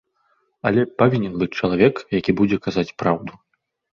Але павінен быць чалавек, які будзе казаць праўду.